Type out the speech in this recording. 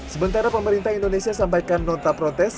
sementara pemerintah indonesia sampaikan nota protes